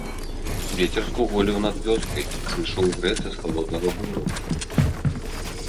Вецер скуголіў над вёскай, прыйшоў грэцца з халоднага бору.